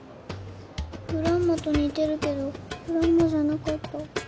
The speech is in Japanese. グランマと似てるけどグランマじゃなかった。